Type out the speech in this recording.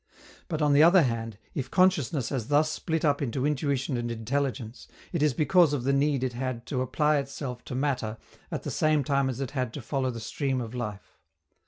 But, on the other hand, if consciousness has thus split up into intuition and intelligence, it is because of the need it had to apply itself to matter at the same time as it had to follow the stream of life.